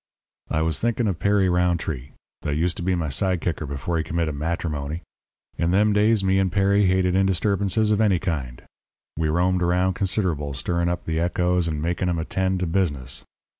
"I was thinking of Perry Rountree, that used to be my sidekicker before he committed matrimony. In them days me and Perry hated indisturbances of any kind. We roamed around considerable, stirring up the echoes and making 'em attend to business.